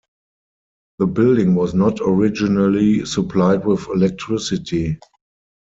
The building was not originally supplied with electricity.